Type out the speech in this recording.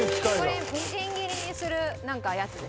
これみじん切りにするやつです。